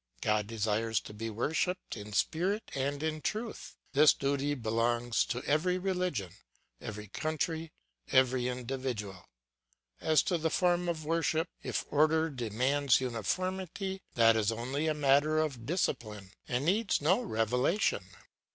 God desires to be worshipped in spirit and in truth; this duty belongs to every religion, every country, every individual. As to the form of worship, if order demands uniformity, that is only a matter of discipline and needs no revelation.